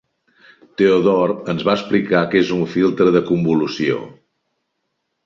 Theodore ens va explicar què és un filtre de convolució.